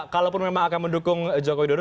kalaupun memang akan mendukung joko widodo